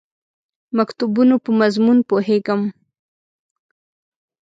مکتوبونو په مضمون پوهېږم.